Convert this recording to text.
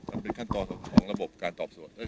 มันเป็นขั้นตอนของระบบการสอบสวน